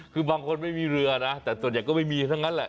คือบางคนไม่มีเรือนะแต่ส่วนใหญ่ก็ไม่มีทั้งนั้นแหละ